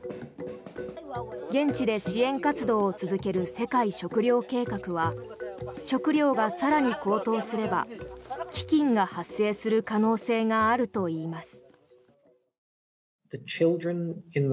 現地で支援活動を続ける世界食糧計画は食糧が更に高騰すれば飢きんが発生する可能性があるといいます。